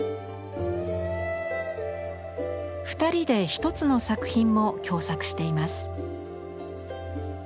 ２人で１つの作品も共作しています。